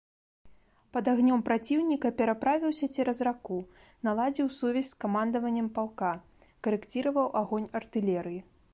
Пад агнём праціўніка пераправіўся цераз раку, наладзіў сувязь з камандаваннем палка, карэкціраваў агонь артылерыі.